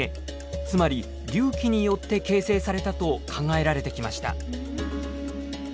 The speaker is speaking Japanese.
つまり隆起によって形成されたと考えられてきました。